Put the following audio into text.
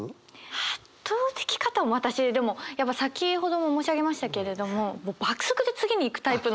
圧倒的片思い私でもやっぱ先ほども申し上げましたけれどももう爆速で次にいくタイプの。